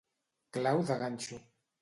Clau de ganxo.